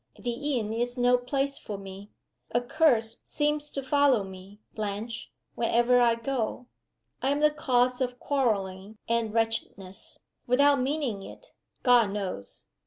"The inn is no place for me. A curse seems to follow me, Blanche, wherever I go. I am the cause of quarreling and wretchedness, without meaning it, God knows.